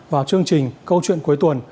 vào chương trình câu chuyện cuối tuần